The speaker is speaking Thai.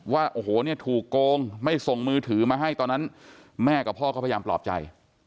ว่าโอ้โหเนี่ยถูกโกงไม่ส่งมือถือมาให้ตอนนั้นแม่กับพ่อก็พยายามปลอบใจ